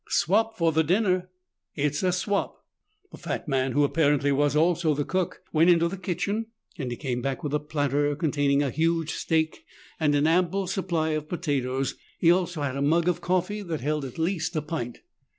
"Swap for the dinner." "It's a swap." The fat man, who apparently was also the cook, went into the kitchen. He came back with a platter containing a huge steak and an ample supply of potatoes. He also had a mug of coffee that held at least a pint.